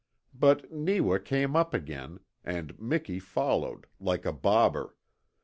But Neewa came up again, and Miki followed, like a bobber.